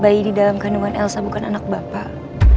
bayi di dalam kandungan elsa bukan anak bapak